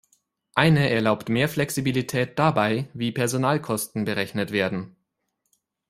Eine erlaubt mehr Flexibilität dabei, wie Personalkosten berechnet werden.